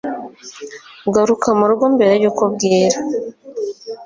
Garuka murugo mbere yuko bwira